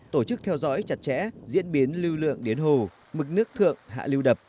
tổ chức theo dõi chặt chẽ diễn biến lưu lượng đến hồ mực nước thượng hạ lưu đập